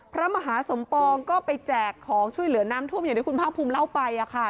พระมหาสมปองก็ไปแจกของช่วยเหลือน้ำท่วมอย่างที่คุณภาคภูมิเล่าไปค่ะ